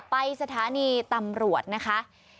ไปสถานีตำรวจนะคะ